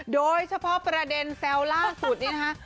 โดยเฉพาะประเด็นแซวล่าสุดนี้นะคะ